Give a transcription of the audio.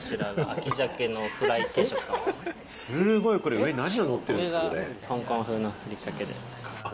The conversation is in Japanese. すごいこれ、上に何が乗ってるんですかね？